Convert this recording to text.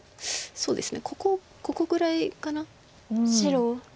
そうですね。